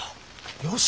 よし！